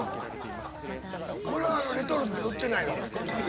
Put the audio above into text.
これはレトルトで売ってないの？